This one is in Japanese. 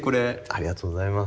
ありがとうございます。